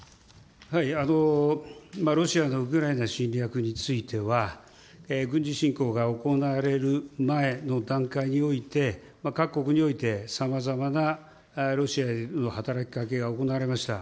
ロシアのウクライナ侵略については、軍事侵攻が行われる前の段階において、各国においてさまざまなロシアへの働きかけが行われました。